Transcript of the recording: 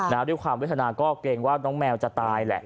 ด้วยความเวทนาก็เกรงว่าน้องแมวจะตายแหละ